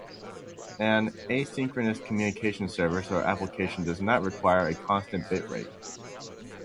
An asynchronous communication service or application does not require a constant bit rate.